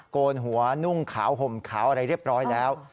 โกนหัวนุ่งขาวห่มขาวอะไรเรียบร้อยแล้ว